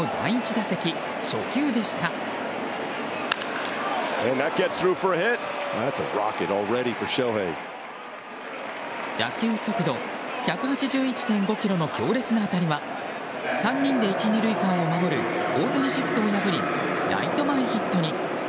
打球速度１８１．５キロの強烈な当たりは３人で１、２塁間を守る大谷シフトを破るライト前ヒットに。